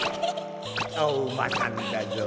おうまさんだぞ。